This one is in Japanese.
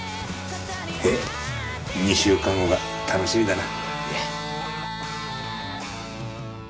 ２週間後が楽しみだな。